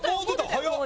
早っ！